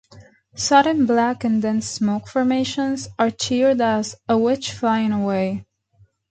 Sudden black and dense smoke formations are cheered as "a witch flying away".